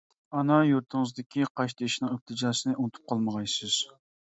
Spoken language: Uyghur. ئانا يۇرتىڭىزدىكى قاشتېشىنىڭ ئىلتىجاسىنى ئۇنتۇپ قالمىغايسىز.